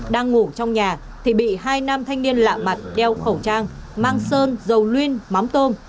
đang ngủ trong nhà thì bị hai nam thanh niên lạ mặt đeo khẩu trang mang sơn dầu luyên mắm tôm